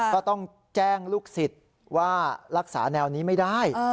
ก็ต้องแจ้งลูกศิษย์ว่ารักษาแนวนี้ไม่ได้